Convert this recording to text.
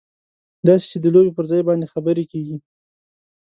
داسې چې د لوبې پر ځای باندې خبرې کېږي.